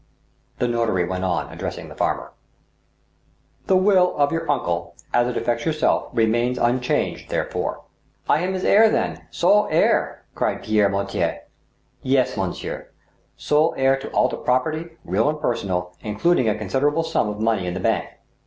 The notary went on, addressing the farmer :" The will of your uncle, as it affects yourself, remains unchanged, therefore." " I am his heir, then — sole heir !" cried Pierre Mortier. " Yes, monsieur ; sole heir to all the property, real and personal, including a considerable sum of money in bank."